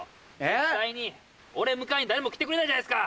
実際に俺迎えに誰も来てくれないじゃないですか！